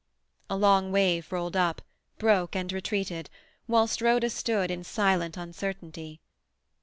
A long wave rolled up, broke, and retreated, whilst Rhoda stood in silent uncertainty.